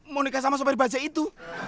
mau nikah sama sopir baja itu